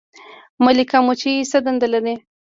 ملکه مچۍ څه دنده لري؟